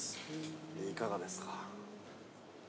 ◆いかがですか。